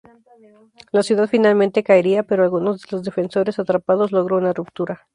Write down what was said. La ciudad finalmente caería, pero algunos de los defensores atrapados logró una ruptura.